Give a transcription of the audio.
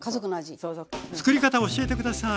作り方を教えて下さい。